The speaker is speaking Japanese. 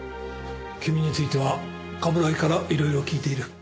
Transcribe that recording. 君については冠城から色々聞いている。